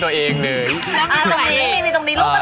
แต่รูปเลยอะรูปอะไรอะดูไม่เห็นเลย